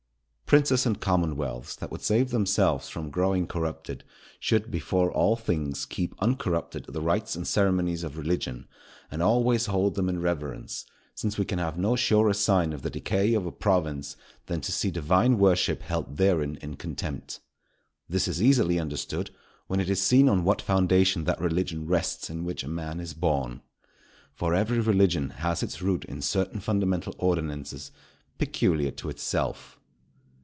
Princes and commonwealths that would save themselves from growing corrupted, should before all things keep uncorrupted the rites and ceremonies of religion, and always hold them in reverence; since we can have no surer sign of the decay of a province than to see Divine worship held therein in contempt. This is easily understood when it is seen on what foundation that religion rests in which a man is born. For every religion has its root in certain fundamental ordinances peculiar to itself.